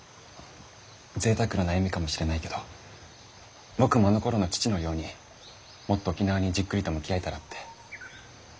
ぜいたくな悩みかもしれないけど僕もあのころの父のようにもっと沖縄にじっくりと向き合えたらって。